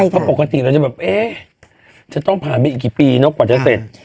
เพราะปกติเราจะแบบเอ๊ะจะต้องผ่านไปอีกกี่ปีเนอะกว่าจะเสร็จ